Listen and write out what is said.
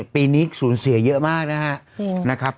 ปีนี้ศูนย์เสียเยอะมากนะฮะ